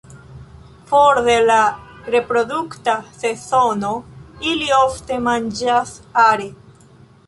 For de la reprodukta sezono, ili ofte manĝas are.